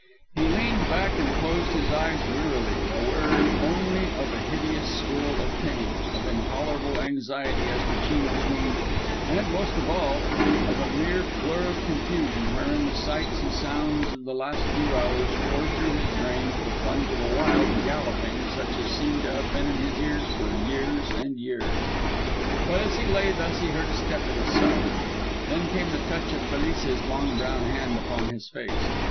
He leaned back and closed his eyes wearily, aware only of a hideous swirl of pain, of intolerable anxiety as to Chino's wound, and, most of all, of a mere blur of confusion wherein the sights and sounds of the last few hours tore through his brain with the plunge of a wild galloping such as seemed to have been in his ears for years and years. But as he lay thus he heard a step at his side. Then came the touch of Felice's long brown hand upon his face.